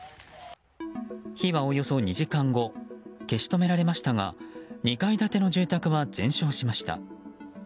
火はおよそ２時間後消し止められましたが２階建ての住宅は全焼しました。